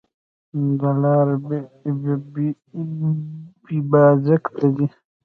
دا لار اببازک ته ځي